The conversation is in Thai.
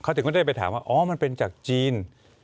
เขาถึงก็ได้ไปถามว่าอ๋อมันเป็นจากจีน